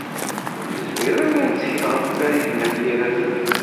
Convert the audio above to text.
Ur nezmir ara ad nettkel ɣef Farid n At Yiraten.